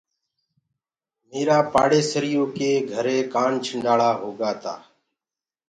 ميرآ پاڙيسريو ڪي گھري ڪآنڇنڊݪآ هوگوآ تآ۔